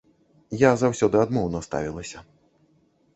Я заўсёды адмоўна ставілася.